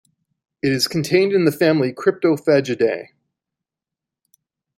It is contained in the family Cryptophagidae.